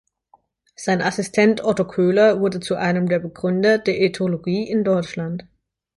Sein Assistent Otto Koehler wurde zu einem der Begründer der Ethologie in Deutschland.